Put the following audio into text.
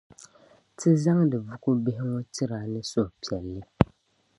Ti zaŋdi buku bihi ŋɔ n-tir' a ni suhi piɛlli.